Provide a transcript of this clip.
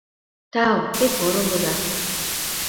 Тау, те поро улыда.